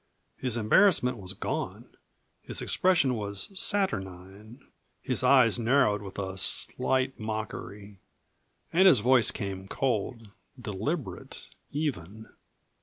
His embarrassment was gone; his expression was saturnine, his eyes narrowed with a slight mockery. And his voice came, cold, deliberate, even.